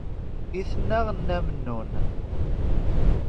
I tenna Nna Mennun.